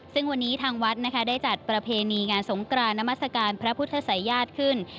ซึ่งวันนี้ทางวัดนะคะได้จัดประเพณีงานสงกรานนามัศกาลพระพุทธศัยญาติขึ้น